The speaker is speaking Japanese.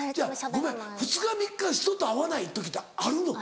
ごめん２日３日人と会わない時ってあるの？